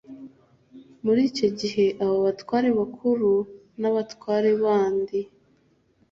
muri icyo gihe abo batware bakuru n abatware bandi